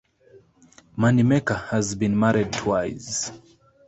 Moneymaker has been married twice.